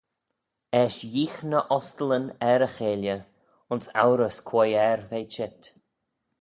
Eisht yeeagh ny ostyllyn er y cheilley ayns ourys quoi er v'eh cheet.